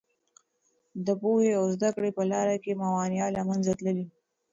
د پوهې او زده کړې په لاره کې موانع له منځه تللي.